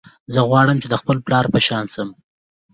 زه غواړم چې د خپل پلار په شان شم